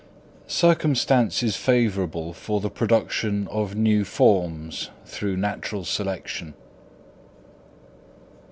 _Circumstances favourable for the production of new forms through Natural Selection.